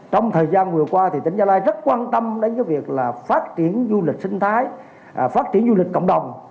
trong thời gian vừa qua tỉnh gia lai rất quan tâm đến việc phát triển du lịch sinh thái phát triển du lịch cộng đồng